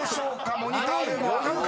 モニタールーム分かる方］